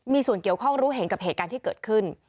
มีส่วนเกี่ยวข้องรู้เห็นกับเหตุการณ์ที่เกิดขึ้น